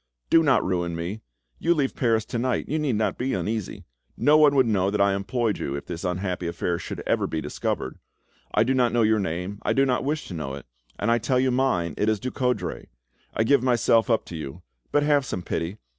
Do not ruin me! You leave Paris to night, you need not be uneasy; no one would know that I employed you, if this unhappy affair should ever be discovered. I do not know your name, I do not wish to know it, and I tell you mine, it is Ducoudray. I give myself up to you, but have some pity!